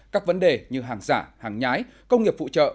các vấn đề như hàng giả hàng nhái công nghiệp phụ trợ